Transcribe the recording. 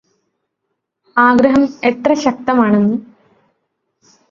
ആഗ്രഹം എത്ര ശക്തമാണെന്ന്